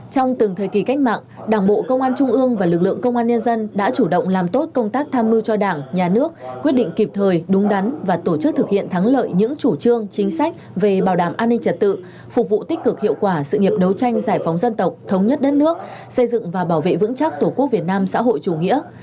trong từng thời kỳ cách mạng đảng bộ công an trung ương và lực lượng công an nhân dân đã chủ động làm tốt công tác tham mưu cho đảng nhà nước quyết định kịp thời đúng đắn và tổ chức thực hiện thắng lợi những chủ trương chính sách về bảo đảm an ninh trật tự phục vụ tích cực hiệu quả sự nghiệp đấu tranh giải phóng dân tộc thống nhất đất nước xây dựng và bảo vệ vững chắc tổ quốc việt nam xã hội chủ nghĩa